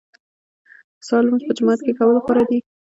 د سهار لمونځ په جومات کې کول غوره دي.